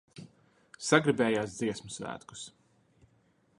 Sagribējās Dziesmu svētkus.